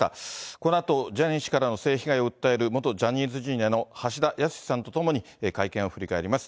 このあと、ジャニー氏からの性被害を訴える元ジャニーズＪｒ．の橋田康さんと共に、会見を振り返ります。